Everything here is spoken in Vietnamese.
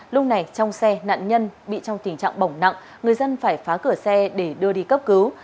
lúc này trong xe nạn nhân bị trong tình trạng bỏng nặng người dân phải phá cửa xe để đưa đi cấp cứu